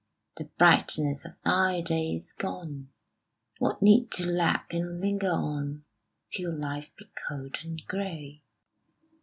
The brightness of thy day is gone: What need to lag and linger on Till life be cold and gray?